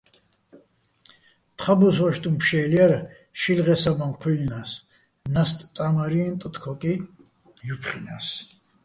თხაბუს ო́შტუჼ ფშე́ლ ჲარ, შილღეჼ საბაჼ ჴუჲლლნა́ს, ნასტ ტა́მარჲენო ტოტ-ქო́კი ჲოფხჲინა́ს.